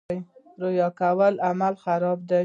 ریا کول عمل خرابوي